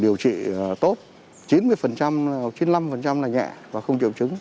điều trị tốt chín mươi hoặc chín mươi năm là nhẹ và không triệu chứng